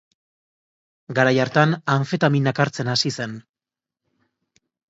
Garai hartan, anfetaminak hartzen hasi zen.